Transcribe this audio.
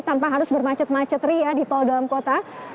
tanpa harus bermacet macet ria di tol dalam kota